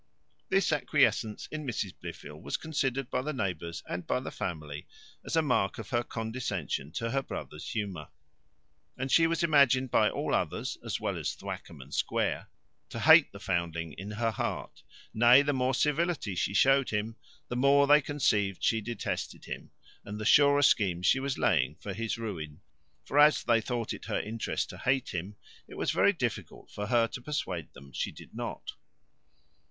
This acquiescence in Mrs Blifil was considered by the neighbours, and by the family, as a mark of her condescension to her brother's humour, and she was imagined by all others, as well as Thwackum and Square, to hate the foundling in her heart; nay, the more civility she showed him, the more they conceived she detested him, and the surer schemes she was laying for his ruin: for as they thought it her interest to hate him, it was very difficult for her to persuade them she did not.